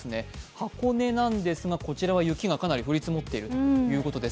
箱根なんですがこちらはかなり雪が降り積もっているということです。